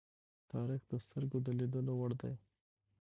تاریخ د سترگو د لیدلو وړ دی.